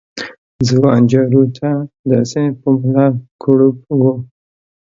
ځوان جارو ته داسې په ملا کړوپ و